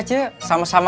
terima kasih ip